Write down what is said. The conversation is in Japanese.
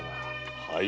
はい。